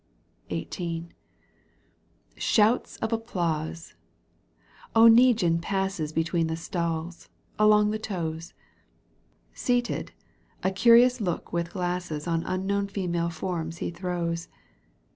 XVIII. Shouts of applause ! Oneguine passes Between the stalls, along the toes ; Seated, a curious look with glasses On unknown female forms he throws.